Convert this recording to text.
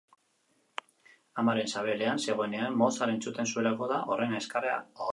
Amaren sabelean zegoenean Mozart entzuten zuelako da horren azkarra orain.